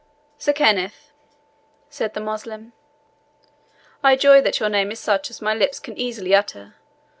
"Sir Kenneth," said the Moslem, "I joy that your name is such as my lips can easily utter.